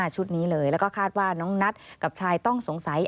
ชุดนี้เลยแล้วก็คาดว่าน้องนัทกับชายต้องสงสัย